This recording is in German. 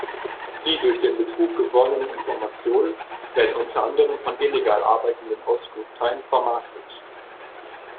Die durch den Betrug gewonnenen Informationen werden unter anderem von illegal arbeitenden Auskunfteien vermarktet.